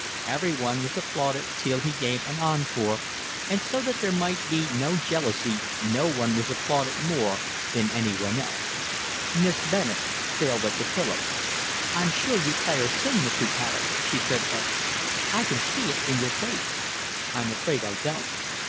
Everyone was applauded till he gave an encore, and so that there might be no jealousy no one was applauded more than anyone else. Miss Bennett sailed up to Philip. "I'm sure you play or sing, Mr. Carey," she said archly. "I can see it in your face." "I'm afraid I don't."